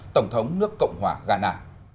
tổng thống nước cộng hòa ghana